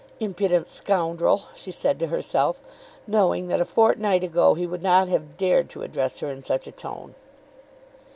"Impudent scoundrel!" she said to herself, knowing that a fortnight ago he would not have dared to address her in such a tone.